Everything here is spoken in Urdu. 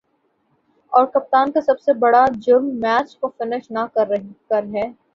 اور کپتان کا سب سے بڑا"جرم" میچ کو فنش نہ کر ہے